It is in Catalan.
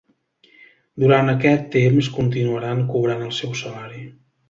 Durant aquest temps continuaran cobrant el seu salari.